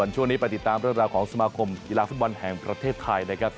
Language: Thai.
ช่วงนี้ไปติดตามรายละครองสมาคมกีฬาฟุตบอลแห่งประเทศไทย